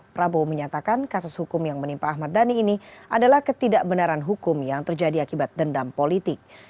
prabowo menyatakan kasus hukum yang menimpa ahmad dhani ini adalah ketidakbenaran hukum yang terjadi akibat dendam politik